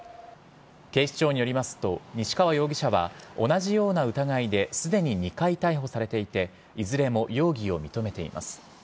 警視庁によりますと西川容疑者は同じような疑いですでに２回逮捕されていていずれも容疑を認めています。